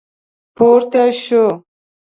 پورته شوه.